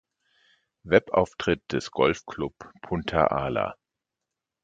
Webauftritt des Golf Club Punta Ala